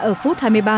ở phút hai mươi ba